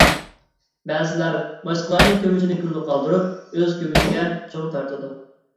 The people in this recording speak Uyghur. بەزىلەر باشقىلارنىڭ كۆمىچىنى كۈلدە قالدۇرۇپ، ئۆز كۆمىچىگە چوغ تارتىدۇ.